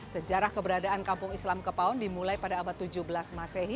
sejarah keberadaan kampung islam kepaun dimulai pada abad tujuh belas masehi